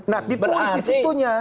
nah ditulis di situnya